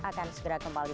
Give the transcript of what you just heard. akan segera kembali